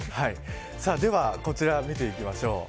では、こちら見ていきましょう。